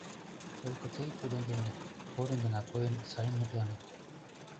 Только тый тудын дене, порын гына койын, сайын мутлане.